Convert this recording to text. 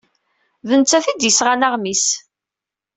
D nettat ay d-yesɣan aɣmis.